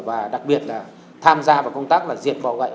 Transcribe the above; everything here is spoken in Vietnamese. và đặc biệt là tham gia vào công tác là diệt bỏ gậy